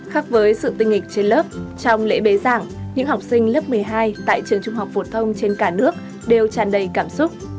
khác với sự tinh nghịch trên lớp trong lễ bế giảng những học sinh lớp một mươi hai tại trường trung học phổ thông trên cả nước đều tràn đầy cảm xúc